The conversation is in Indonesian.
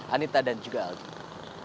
anita dan juga algy